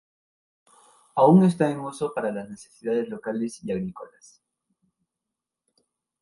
Aún está en uso para las necesidades locales y agrícolas.